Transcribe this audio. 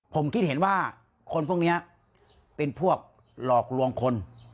ผมคิดเห็นว่าคนพวกนี้เป็นพวกหลอกลวงคน